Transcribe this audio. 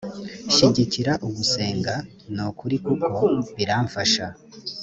shyigikira ugusenga n’ukuri kuko birafasha.